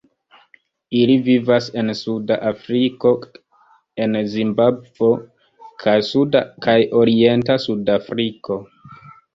Ili vivas en Suda Afriko en Zimbabvo kaj suda kaj orienta Sudafriko.